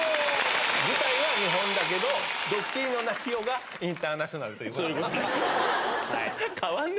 舞台は日本だけど、ドッキリの内容がインターナショナルということですね。